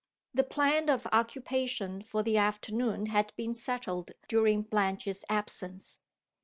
The plan of occupation for the afternoon had been settled during Blanche's absence.